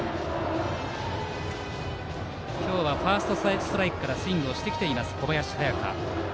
今日はファーストストライクからスイングをしてきている小林隼翔。